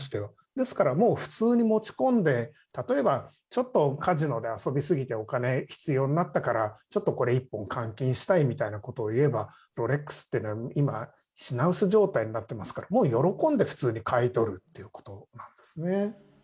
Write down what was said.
ですからもう普通に持ち込んで、例えばちょっとカジノで遊び過ぎてお金、必要になったから、ちょっとこれ１本換金したいみたいなこと言えば、ロレックスっていうのは今、品薄状態になってますから、もう喜んで普通に買い取るってことなんですね。